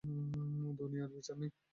দুনিয়ায় বিচার নেই।